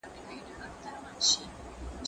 زه بايد موبایل کار کړم،